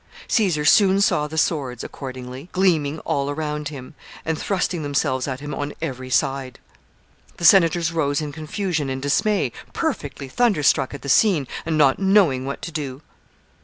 Caesar soon saw the swords, accordingly, gleaming all around him, and thrusting themselves at him on every side. The senators rose in confusion and dismay, perfectly thunderstruck at the scene, and not knowing what to do.